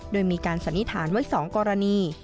โดยมีการสันนิษฐานไว้๒กรณี